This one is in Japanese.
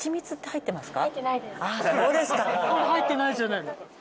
入ってないじゃないの。